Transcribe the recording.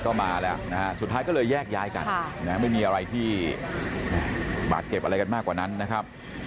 ก็มาแล้วนะฮะสุดท้ายก็เลยแยกย้ายกันไม่มีอะไรที่บาดเจ็บอะไรกันมากกว่านั้นนะครับ